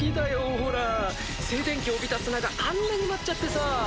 ほら静電気を帯びた砂があんなに舞っちゃってさ。